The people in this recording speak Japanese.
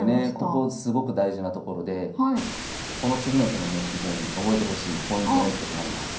ここすごく大事なところでこの次の手もね非常に覚えてほしいポイントの一手となります。